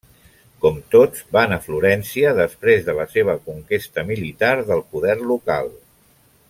Com tots, van a Florència després de la seva conquesta militar del poder local.